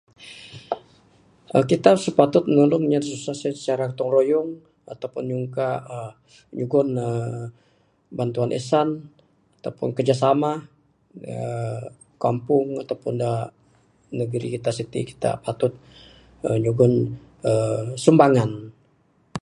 Kita sipatut nulang inya da susah secara gotong royong ataupun nyungka uhh nyugon uhh bantuan ehsan ataupun kerja samah da kampung ataupun da negeri kita siti kita patut nyugon sumbangan.